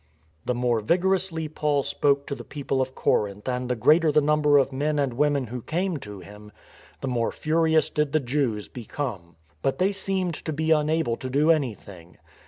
The more vigorously Paul spoke to the people of Corinth and the greater the number of men and women who came to him, the more furious did the Jews become. But they seemed to be unable to do anything.